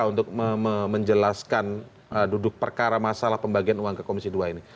untuk menjelaskan duduk perkara masalah pembagian uang ke komisi dua ini